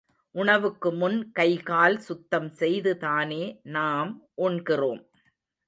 உணவுக்கு முன் கை கால் சுத்தம் செய்து தானே நாம் உண்கிறோம்.